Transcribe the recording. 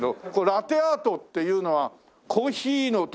ラテアートっていうのはコーヒーのところにやるやつ？